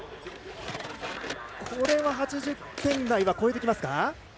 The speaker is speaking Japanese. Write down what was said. これは８０点台は超えてきますか。